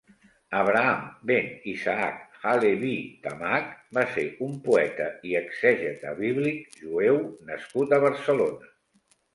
Abraham ben Isaac ha-Leví Tamakh va ser un poeta i exègeta bíblic jueu nascut a Barcelona.